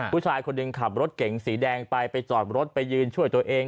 ผู้ชายคนหนึ่งขับรถเก๋งสีแดงไปไปจอดรถไปยืนช่วยตัวเอง